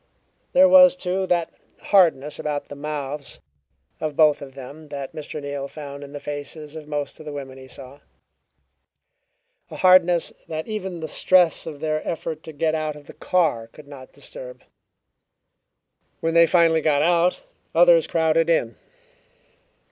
There was, too, that hardness about the mouths of both of them that Mr. Neal found in the faces of most of the women he saw a hardness that even the stress of their effort to get out of the car could not disturb. When they finally got out, others crowded in.